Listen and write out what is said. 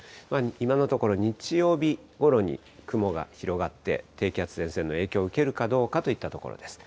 今のところ、日曜日ごろに雲が広がって、低気圧、前線の影響受けるかといったところです。